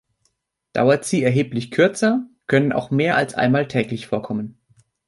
Dauert sie erheblich kürzer, können auch mehr als einmal täglich vorkommen.